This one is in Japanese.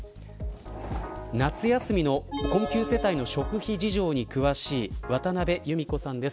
夏休みの困窮世帯の食費事情に詳しい渡辺由美子さんです。